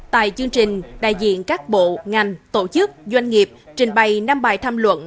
tại chương trình đại diện các bộ ngành tổ chức doanh nghiệp trình bày năm bài tham luận